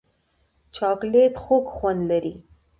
چاکلېټ خوږ خوند لري.